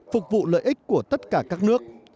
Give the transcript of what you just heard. phục vụ lợi ích của tất cả các nước